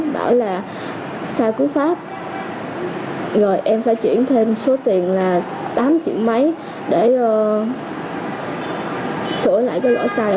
bảo là sai cú pháp rồi em phải chuyển thêm số tiền là tám triệu mấy để sửa lại cái lỗi sai